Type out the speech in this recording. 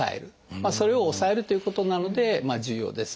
それを抑えるということなので重要です。